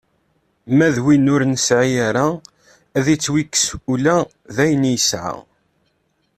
Ma d win ur nesɛi ara, ad s-ittwakkes ula d ayen yesɛa.